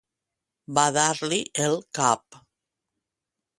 Badar-li el cap.